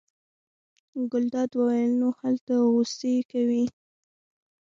ګلداد وویل: نو هلته غوسې کوې.